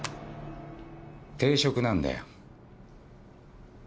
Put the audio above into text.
定食なんだよ。